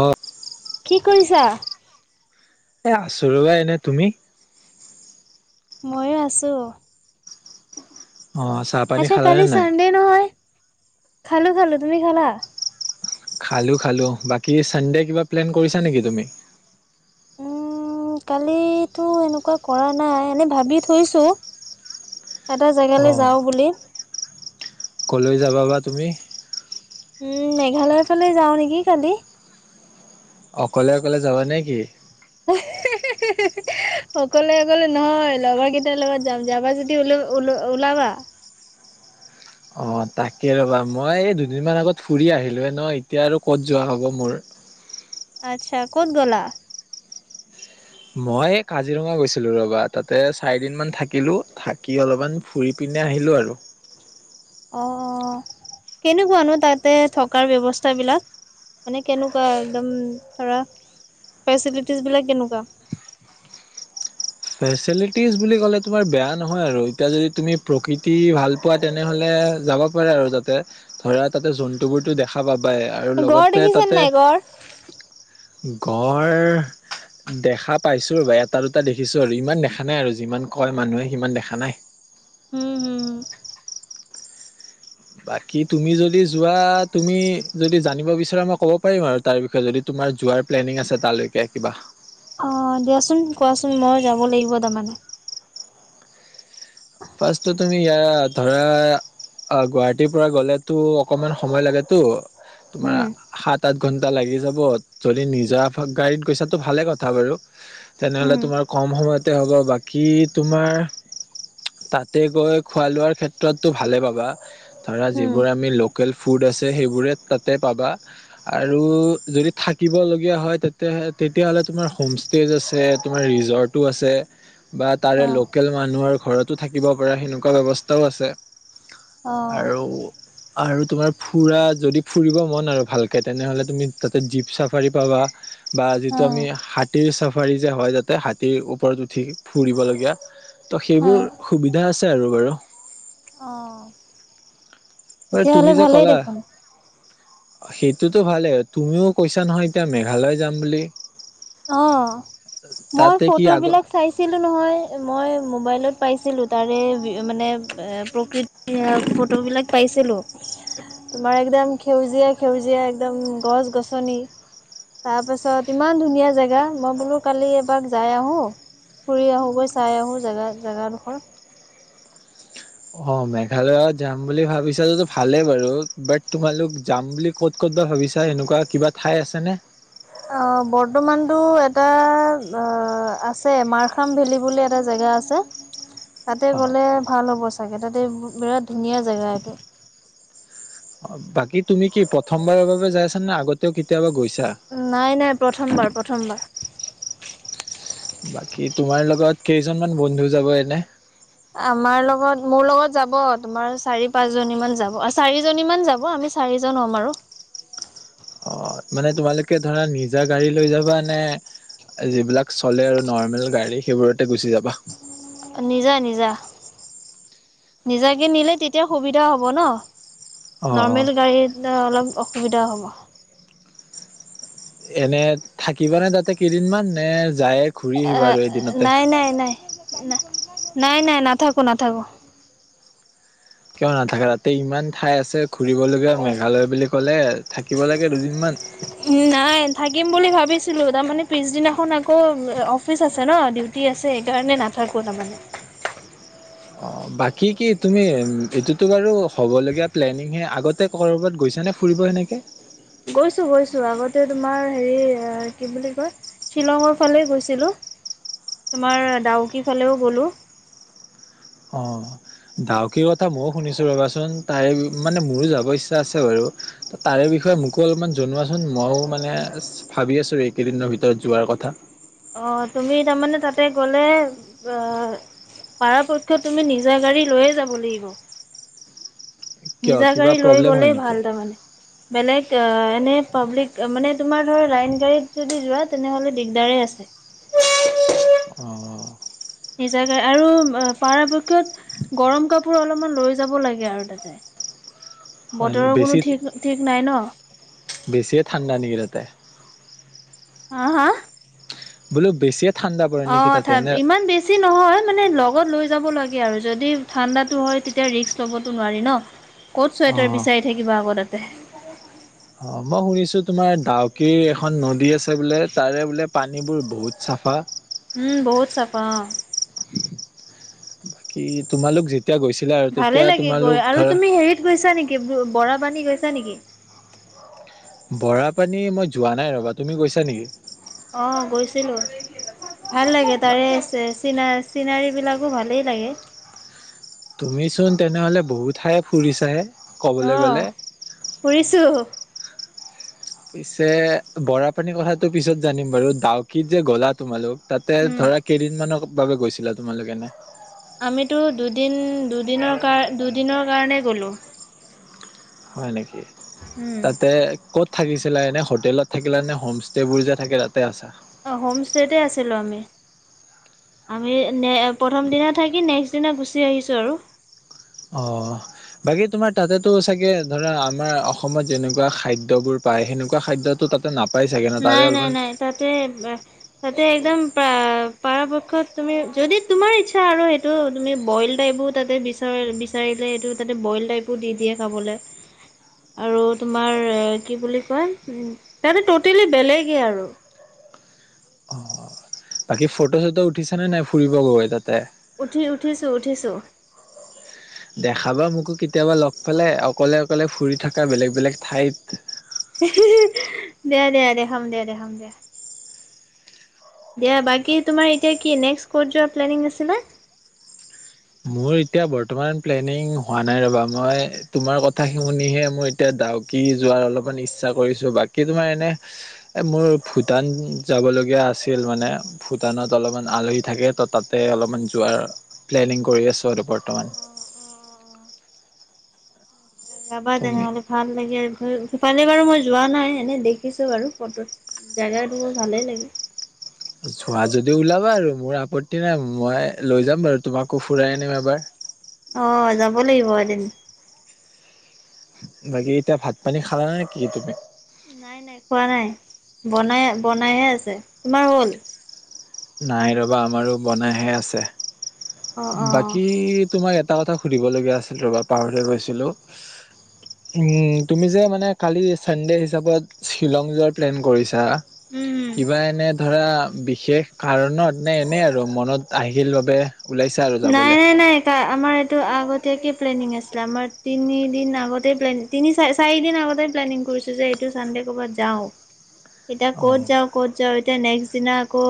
অ'হ। কি কৰিছা। এ আছো ৰ'বা এনে তুমি? ময়ো আছোঁ অ চাহ পানী আচ্ছা কালি খালানে নাই ছানডে নহয়। খালোঁ খালোঁ তুমি খালা? খালোঁ খালোঁ বাকী ছানডে' কিবা প্লেন কৰিছা নেকি তুমি? উম কালি তো এনেকুৱা কৰা নাই এনে ভাবি থৈছো এটা অ জেগালৈ যাওঁ বুলি কলৈ যাবা বা তুমি উম মেঘালয়ৰ ফালে যাওঁ নেকি কালি অকলে অকলে যাবা নে কি হে হেহু হেহু সকলোৱে কলে নহয় লগৰ কেইটাৰ লগত যাম যাবা যদি ওল ওলাবা অঁ তাকে ৰ'বা মই এই দুদিনমান আগত ফুৰি আহিলোঁহে ন এতিয়া আৰু ক'ত যোৱা হ'ব মোৰ আচ্ছা ক'ত গলা মই কাজিৰঙা গৈছিলোঁ ৰ'বা তাতে চাৰিদিনমান থাকিলোঁ থাকি অলপমান ফুৰি পিনে আহিলোঁ আৰু অ অ কেনেকুৱানো তাতে থকাৰ ব্যৱস্থাবিলাক মানে কেনেকুৱা একদম ধৰা ফেচিটিজ বিলাক কেনেকুৱা ফেচিটিজ বুলি ক'লে তোমাৰ বেয়া নহয় আৰু ফেচেলিটিজ এতিয়া যদি তুমি প্ৰকৃতি ভাল পোৱা তেনেহলে যাব পাৰা আৰু তাতে ধৰা তাতে জন্তুবোৰতো দেখা পোৱা পাই আৰু গড় লগতে দেখিছা তাতে নাই গড়? গড় দেখা পাইছো ৰবা এটা দুটা দেখিছো দেখিছোঁ আৰু ইমান দেখা নাই আৰু যিমান কয় মানুহে সিমান দেখা নাই উম হোহু বাকী তুমি যদি যোৱা তুমি যদি জানিব বিচৰা মই ক'ব পাৰিম আৰু তাৰ বিষয়ে যদি তোমাৰ যোৱাৰ প্লেনিং আছে তাৰলৈকে কিবা অ দেচোন কোৱাচোন মই যাব লাগিব তাৰমানে ফাৰ্ষ্টটো তুমি ইয়াৰ ধৰা গুৱাহাটীৰ পৰা গ'লেতো অকনমান সময় লাগেতো তোমাৰ উম সাত আঠ ঘণ্টা কিবা লাগি যাব যদি নিজা গাড়ীত গৈছা তো ভালে কথা বাৰু উম তেনেহলে তোমাৰ কম সময়তে হ'ব বাকী তোমাৰ তাতে গৈ খোৱা লোৱাৰ ক্ষেত্ৰতটো ভালে পাবা ধৰা উম যিবোৰ আমি লোক লোকেল ফুড আছে সেইবোৰে তাতে পাবা আৰু যদি থাকিবলগীয়া হয় তে তেতিয়াহ'লে তোমাৰ হোম ষ্টেজ আছে তোমাৰ ৰিজৰ্টো আছে বা তাৰে অ লোকেল মানুহৰ ঘৰত তো থাকিব পৰা সেনেকোৱা ব্যৱস্থাও আছে অ আৰু আৰু তোমাৰ ফুৰা যদি ফুৰিব মন আৰু ভালকে তেনেহ'লে তুমি তাতে জীপ চাফাৰী পাবা বা অ যিটো আমি হা হাতীৰ চাফাৰী যে হয় যাতে হাতীৰ ওপৰত উঠি ফুৰিবলগীয়া তো অ সেইবোৰ সুবিধা আছে আৰু বাৰু অঁহ বাৰু তুমি তেতিয়াহ'লে যে ভালেই ক'লা দেখোন সেইটোতো ভালেই তুমিও কৈছা নহয় এতিয়া মেঘালয় যাম বুলি অ মই তাতে কি ফটো আগ বিলাক চাইছিলো নহয় মই মোবাইলত পাইছিলো তাৰে মানে প্ৰকৃতি ফটো বিলাক পাইছিলো তোমাৰ একদম সেউজীয়া সেউজীয়া একদম গছ গছনি তাৰ পাছত ইমান ধুনীয়া জেগা মই বোলো কালি এবাৰ যাই আহো ফুৰি আহো গৈ চাই আহো জেগা জেগাডোখৰ অ মেঘালয়ত যাম বুলি ভাবিছা যদি ভালেই বাৰু বাট তোমালোক যাম বুলি ক'ত ক'ত বা ভাবিছা এনেকুৱা কিবা ঠাই আছেনে অ বৰ্তমানতটো এটা আছে মাৰখাম ভেলী বুলি এটা জেগা‌ আছে তাতে অ গ'লে ভাল অৱস্থা তাগে তাতে বিৰাট ধুনীয়া জেগা এইটো অ বাকী তুমি কি প্ৰথমবাৰৰ বাবে যাই আছা নে আগতেও কেতিয়াবা গৈছা? নাই নাই প্ৰথমবাৰ প্ৰথমবাৰ বাকী তোমাৰ লগত কেইজনমান বন্ধু যাব এনে! আমাৰ লগত মোৰ লগত যাব তোমাৰ চাৰি পাঁচজনী মান যাব আৰু চাৰিজনী মান যাব আমি চাৰিজন হ'ম আৰু অ মানে তোমালোকে ধৰা নিজা গাড়ী লৈ যাবা নে যিবিলাক চলে আৰু নৰ্মেল গাড়ী সেইবোৰতে গুচি যাবা? নিজা নিজা, নিজাকে নিলে তেতিয়া সুবিধা হ'ব ন। অ অ নৰ্মেল গাড়ী অলপ অসুবিধা হ'ব। এনে থাকিবা নে তাতে কেইদিনমান নে যায়ে ঘূৰি আহিবা আৰু [unintelligible] এদিনতে নাই নাই নাই না নাই নাই নাথাকো নাথাকো। কিয় নাথাকে, ৰাতি ইমান ঠাই আছে। ঘুৰিবলগীয়া মেঘালয় বুলি ক'লে থাকিব লাগে দুদিনমান। ছিলো তাৰ মানে পিছদিনাখন আকৌ অফিচ আছে ন ডিউটি আছে, সেইকাৰণে নাথাকো তাৰমানে অ' বাকী কি তুমি এইটোতো বাৰু হ'বলগীয়া প্লেনিংহে আগতে ক'ৰবাত গৈছা নে ফুৰিব এনেকে? গৈছো গৈছোঁ আগতে তোমাৰ হেৰি কি বুলি কয়, শ্বিলঙৰ ফালে গৈছিলোঁ, তোমাৰ ডাউকি ফালেও গ'লো অৱ ডাউকীৰ কথা ময়ো শুনিছোঁ ৰবাচোন তাৰে মানে মোৰো যাব ইচ্ছা আছে বাৰু তাৰে বিষয়ে মোকো অলপমান জনোৱাচোন ময়ো মানে ভাবি আছোঁ এইকেইদিনৰ ভিতৰত যোৱাৰ কথা। অ তুমি তাৰমানে তাতে গলে অহ পৰাৰপক্ষত তুমি নিজা গাড়ী লৈয়ে যাব লাগিব। কিয় নিজা কিবা গাড়ী লৈ প্ৰব্লেম হয় গলেই নেকি ভাল তাৰমানে, বেলেগ এনে পাব্লিক মানে তোমাৰ ধৰা লাইন গাড়ীত যদি যোৱা তেনেহলে দিগদাৰে আছে। অৱ নিজাকে আৰু পৰাপক্ষত গৰম কাপোৰ অলপমান লৈ যাব লাগে আৰু তাতে। হয় বতৰৰ নেকি কোনো বেছি ঠিক ঠিক নাই ন। তে হা হা। বোলো বেছিয়েত অ ইমান বেছি নহয় মানে লগত লৈ যাব লাগে। আৰু যদি ঠাণ্ডাতো হয়, তেতিয়া ৰিস্ক ল'বতো নোৱাৰি ন। ক'ত চুৱেটাৰ অ' বিচাৰি থাকিবা আকৌ তাতে। [unintelligible] অৱ মই শুনিছো তোমাৰ ডাউকীৰ এখন নদী আছে বোলে তাৰে বোলে পানীবোৰ বহুত চাফা? উম বহুত চাফা। বাকি তোমালোক যেত ভালে লাগে গৈ আৰু তুমি হেৰিত গৈছা নেকি বৰাপানী গৈছা ছা নেকি? বৰা পানী মই যোৱা নাই ৰবা তুমি গৈছা নেকি? অ গৈছিলো। ভাল লাগে তাৰে এছেচ। চিনা চিনাৰীবিলাকো ভালেই লাগে তুমি চোন তেনেহলে বহুত ঠায়ে ফুৰিছাহে ক'বলৈ গ'লে আহ ফুৰিছো পিছে বৰা পানীৰ কথাাতটো পিছত জানিম বাৰু ডাউকীত যে গলা তোমালোক তাতে উম। ধৰা কেইদিনমানৰ বাবে গৈছিলা তোমালোকে এনে আমিতো দুদিন দুদিনৰ কাৰ দুদিনৰ কাৰণেই গ'লো হয় নেকি উম। তাতে ক'ত থাকিছিলা এনে হোটেলত থাকিলে নে হোম ষ্টেবোৰ যে থাকে তাতে আছা অ হোম ষ্টেতে আছিলো আমি আমি নে প্ৰথম দিনা থাকি নেক্স পাছদিনা গুচি আহিছো আৰু অ বাকী তোমাৰ তাতেতো চাগে ধৰা আমাৰ অসমত যেনেকুৱা খাদ্যবোৰ পায় সেনেকুৱা খাদ্যতো তাতে নাপ নাই নাই নাই তাতে তাতে একদম পৰাপক্ষত তুমি যদি তোমাৰ ইচ্ছা আৰু সেইটো তুমি বইল টাইপো তাতে বিচাৰা বিচাৰিলে সেইটো তাতে বইল টাইপো দি দিয়ে খাবলে আৰু তোমাৰ কি বুলি কয় তাতে ট টেলি বেলেগেই আৰু বাকী ফটো চটো উঠিছা নে নাই ফুৰিব গৈ তাতে। উঠি উঠিছোঁ উঠিছোঁ দেখাবা মোকো কেতিয়াবা লগ পালে অকলে অকলে ফুৰি থকা বেলেগ বেলেগ ঠাইত দে দে দেখাম দে দেখাম দে দিয়া বাকী তোমাৰ এতিয়া কি নেক্স কত যোৱাৰ প্লেনিং আছিলে মোৰ এতিয়া বৰ্তমান প্লেনিং হোৱা নাই ৰ'বা মই তোমাৰ কথা শুনিহে মোৰ এতিয়া ডাউকি যোৱাৰ অলপমান ইচ্ছা কৰিছোঁ বাকী তোমাৰ এনে মোৰ ভূটান যাবলগীয়া আছিল মানে ভূটানত অলপমান আলহী থাকে ত তাতে অলপমান যোৱাৰ প্লেনিং কৰি আছোঁ আৰু বৰ্তমান যাবা তুমি তেনেহলে ভাল লাগে ধ ফালে বাৰু মই যোৱা নাই এনে দেখিছো বাৰু ফটোত জেগাটো ভালেই লাগে। যোৱা যদি ওলাবা আৰু মোৰ আপত্তি নাই মই লৈ যাম বাৰু তোমাকো ফুৰাই আনিম এবাৰ আহ যাব লাগিব এদিন বাকী এতিয়া ভাত পানী খালা নে কি তুমি নাই নাই খোৱা নাই বনাই বনাইহে আছে তোমাৰ হ'ল নাই ৰ'বা আমাৰো বনাইহে আছে অ' অ' বাকী তোমাৰ ই এটা কথা সুধিবলগীয়া আছিল ৰ'বা পাহৰি গৈছিলো তুমি যে মানে কালি ছানডে হিচাপত শ্বিলং যোৱাৰ প্লেন কৰিছা। উম। কিবা এনে ধৰা বিশেষ কাৰণত নে এনেই আৰু মনত আহিল বাবে ওলাইছা আৰু নাই যাবলে নাই নাই আমাৰ এইটো আগত এতিয়াকে প্লেনিং আছিলে আমাৰ তিনিদিন আগতে তিনি চাৰি চাৰিদিন আগতেই প্লেনিং কৰিছো যে এইটো চানডে কৰবাত যাও এতিয়া ক'ত অ', যাওঁ ক'ত এতিয়া নেক্স দিনা আকৌ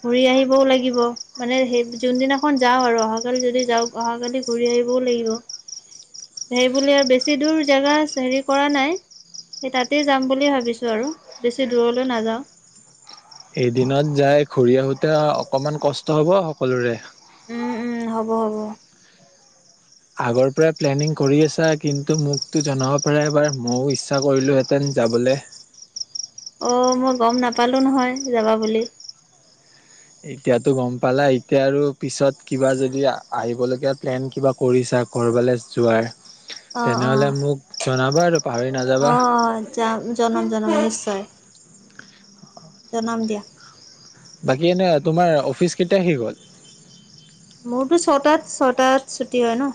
ঘূৰি আহিবও লাগিব মানে সেই যোনদিনা খন যাওঁ আৰু অহাকালি যদি যাওঁ অহাকালি ঘূৰি আহিবও লাগিব সেইবুলে আৰু বেছি দূৰ জেগা হেৰি কৰা নাই সেই তাতেই যাম বুলি ভাবিছো আৰু বেছি দূৰলৈ নাযাওঁ এদিনত যাই ঘূৰি আহোতে অকমান কষ্ট হব সকলোৰে উম উম হ'ব হ'ব আগৰ পৰাই প্লেনিং কৰি আছা কিন্তু মোকতো জনাব পাৰে এবাৰ ময়ো ইচ্ছা কৰিলোহেঁতেন যাবলৈ আহ মই গম নাপালো নহয় যাবা বুলি এতিয়াতো গম পালা এতিয়া আৰু পিছত কিবা যদি আহিবলগীয়া প্লেন কিবা কৰিছা ক'ৰবালৈ যোৱাৰ আহ তেনেহ'লে আহ মোক জনাবা আৰু পাহৰি নাযাবা আহ আহ যাম জনাম জনাম নিশ্চয় জনাম দিয়া বাকী এনেই তোমাৰ অফিচ কেতিয়া শেষ হল মোৰতো ছটাত ছটাত ছুটী হয় ন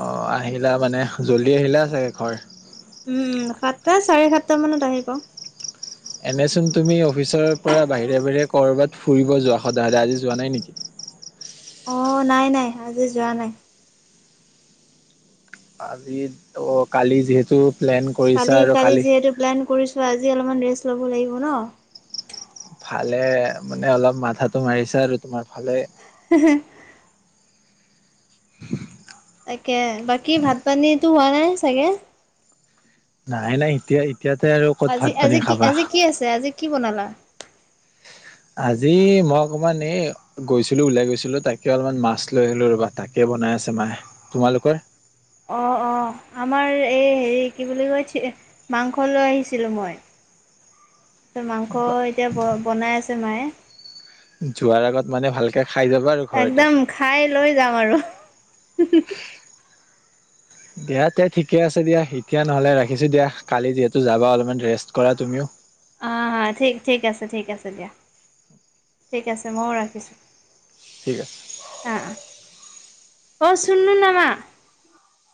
অ আহিলা মানে জল্দি আহিলে চাগে ঘৰ উম উম সাতটা চাৰি সাতটা মানত আহি পাও এনেচোন তুমি অফিচৰ পৰা বাহিৰে বাহিৰে ক'ৰবাত ফুৰিব যোৱা সদায় সদায় আজি যোৱা নাই নেকি আহ নাই নাই আজি যোৱা নাই আজি অ কালি যিহেতু প্লেন কৰিছা কালি আৰু কালি যিহেতু প্লেন কৰিছো আজি অলপমান ৰে কৰিব লাগিব ন ভালে মানে অলপ মাথাতো মাৰিছে আৰু তোমাৰ ভালে [inaudible] তাকে বাকী ভাত পানী তো হোৱা নাই চাগে নাই নাই এতিয়া এতিয়াতে আৰু ক'ত আজি ভাত পানী আজি কি খাবা। আজি কি আছে আজি কি বনালা আজি মই অকমান এই গৈছিলো ওলাই গৈছিলো তাকে অলপমান মাছ লৈ আহলো ৰ'বা তাকে বনাই আছে মায়ে তোমালোকৰ অ অ আমাৰ এই হেৰি কি বুলি কয় মাংস লৈ আহিছিলোঁ মই তাৰপিছত মাংস এতিয়া ব বনাই আছে মায়ে যোৱাৰ আগত মানে ভালকে খাই যাবা আৰু ঘৰতে। একদম খাই লৈ যাম আৰু দিয়া তে ঠিকে আছে দিয়া এতিয়া নহলে ৰাখিছো দিয়া কালি যিহেতু যাবা অলপমান ৰেষ্ট কৰা তুমিও হ হা ঠিক ঠিক আছে ঠিক আছে দিয়া ঠিক আছে ময়ো ৰাখিছোঁ ঠিক আছে অ' অ' অ শন্ন ন ম [inaudible]